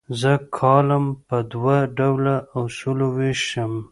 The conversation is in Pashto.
زه کالم په دوه ډوله اصولو ویشم.